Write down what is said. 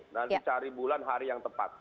nanti cari bulan hari yang tepat